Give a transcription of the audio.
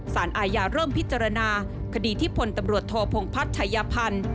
สารอาญาเริ่มพิจารณาคดีที่พลตำรวจโทพงพัฒน์ชัยพันธ์